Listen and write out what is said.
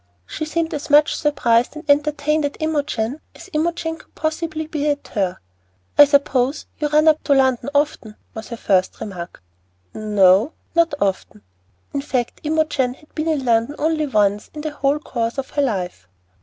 She seemed as much surprised and entertained at Imogen as Imogen could possibly be at her. "I suppose you run up to London often," was her first remark. "N o, not often." In fact, Imogen had been in London only once in the whole course of her life.